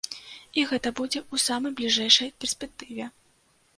І гэта будзе ў самай бліжэйшай перспектыве.